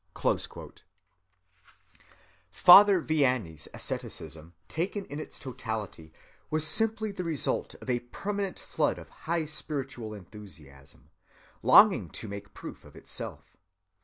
(179) Father Vianney's asceticism taken in its totality was simply the result of a permanent flood of high spiritual enthusiasm, longing to make proof of itself.